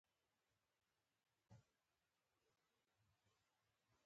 ما وپوښتل څومره وخت به ما ته د لوبې لپاره راکړې.